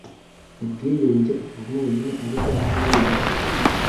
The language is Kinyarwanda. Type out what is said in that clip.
mu bwigunge akavamo wenyine ariko ntabe wenyine